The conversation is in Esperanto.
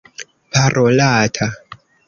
parolata